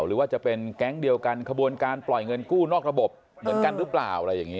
หรือว่าจะเป็นแก๊งเดียวกันขบวนการปล่อยเงินกู้นอกระบบเหมือนกันหรือเปล่าอะไรอย่างนี้